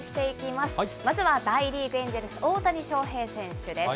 まずは大リーグ・エンジェルス、大谷翔平選手です。